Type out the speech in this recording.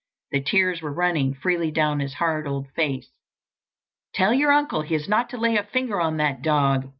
The tears were running freely down his hard, old face. "Tell your uncle he is not to lay a finger on that dog!"